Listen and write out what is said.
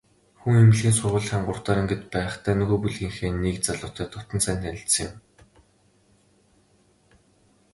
Хүн эмнэлгийн сургуулийн гуравдугаар ангид байхдаа нөгөө бүлгийнхээ нэг залуутай дотно сайн танилцсан юм.